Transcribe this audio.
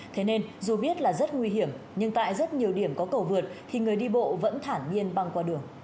thế nên dù biết là rất nguy hiểm nhưng tại rất nhiều điểm có cầu vượt thì người đi bộ vẫn thản nhiên băng qua đường